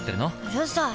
うるさい！